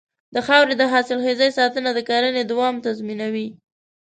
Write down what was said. د خاورې د حاصلخېزۍ ساتنه د کرنې دوام تضمینوي.